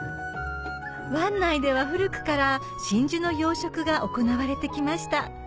湾内では古くから真珠の養殖が行われてきました